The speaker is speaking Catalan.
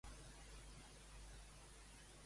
De què reien els joves d'antany?